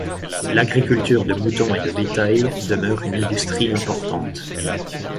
L'agriculture de moutons et de bétail demeure une industrie importante.